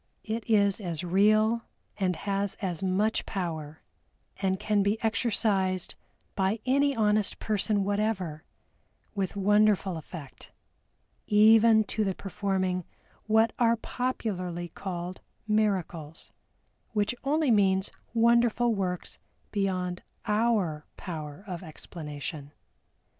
It is as real and has as much power, and can be exercised by any honest person whatever with wonderful effect, even to the performing what are popularly called "miracles," which only means wonderful works beyond our power of explanation.